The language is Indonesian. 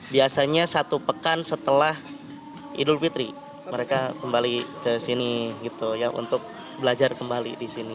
biasanya satu pekan setelah idul fitri mereka kembali ke sini gitu ya untuk belajar kembali di sini